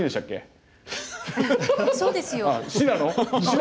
そうですよ。